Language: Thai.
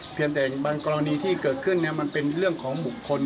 แต่บางกรณีที่เกิดขึ้นมันเป็นเรื่องของบุคคล